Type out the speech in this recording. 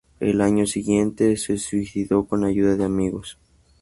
Al año siguiente se suicidó con ayuda de amigos.